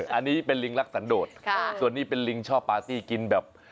อันนี้เป็นลิงรักสันโดดส่วนนี้เป็นลิงชอบปาร์ตี้กินแบบ